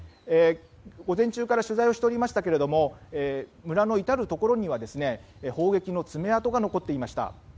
午前中から取材をしておりましたが村の至るところには砲撃の爪痕が残っていました。